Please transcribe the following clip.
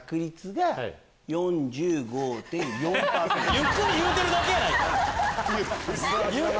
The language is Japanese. ゆっくり言うてるだけ！